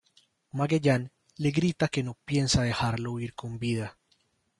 Magellan le grita que no piensa dejarlo huir con vida.